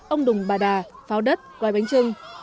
ông đùng bà đà pháo đất gói bánh trưng